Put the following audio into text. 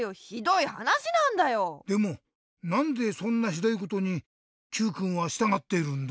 でもなんでそんなひどいことにＱくんはしたがってるんだ？